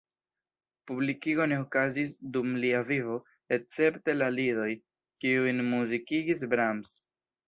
Publikigo ne okazis dum lia vivo, escepte la lidoj, kiujn muzikigis Brahms.